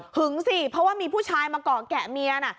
สิเพราะว่ามีผู้ชายมาเกาะแกะเมียน่ะ